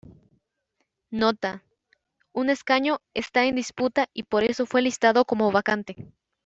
Nota: Un escaño está en disputa y por eso fue listado como vacante.